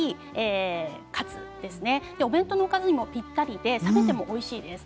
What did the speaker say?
お弁当のおかずにもぴったりで冷めてもおいしいです。